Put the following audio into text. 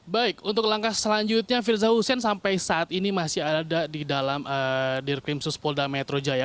baik untuk langkah selanjutnya firza hussein sampai saat ini masih ada di dalam dirkrim suspolda metro jaya